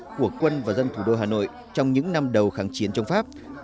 của quân và dân thủ đô hà nội trong những năm đầu kháng chiến chống pháp